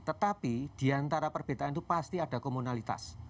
tetapi diantara perbedaan itu pasti ada komunalitas